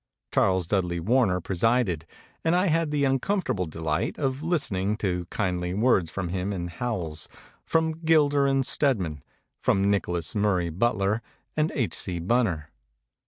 Charles Dudley Warner presided, and I had the uncomfortable delight of listening to kindly words from him and Howells, from Gilder and Stedman, from Nicholas Murray Butler and H. C. Bunner.